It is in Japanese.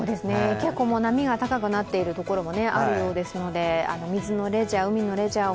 結構波が高くなっているところもあるようですので水のレジャー、海のレジャー